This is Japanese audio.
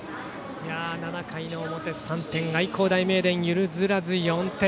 ７回の表、３点愛工大名電は譲らず４点。